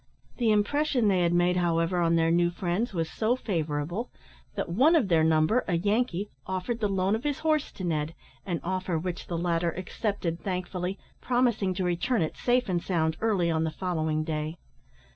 The impression they had made, however, on their new friends was so favourable, that one of their number, a Yankee, offered the loan of his horse to Ned, an offer which the latter accepted thankfully, promising to return it safe and sound early on the following day.